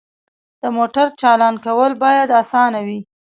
د موټر چالان کول باید اسانه وي.